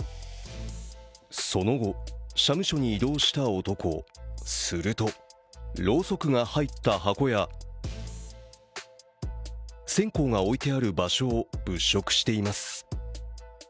その後、社務所に移動した男するとろうそくが入った箱や線香が置いてある場所を物色しています。